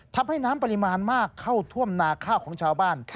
ทำให้น้ำปริมาณมากเข้าท่วมนาข้าวของชาวบ้าน